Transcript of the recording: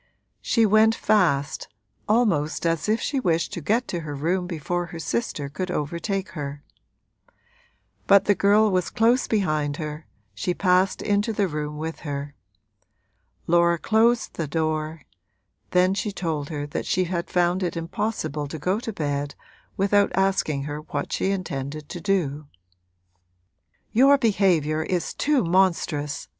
She went fast, almost as if she wished to get to her room before her sister could overtake her. But the girl was close behind her, she passed into the room with her. Laura closed the door; then she told her that she had found it impossible to go to bed without asking her what she intended to do. 'Your behaviour is too monstrous!'